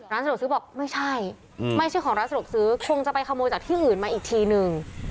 สะดวกซื้อบอกไม่ใช่ไม่ใช่ของร้านสะดวกซื้อคงจะไปขโมยจากที่อื่นมาอีกทีนึง